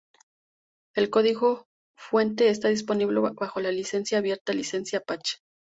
El código fuente está disponible bajo la licencia abierta licencia Apache.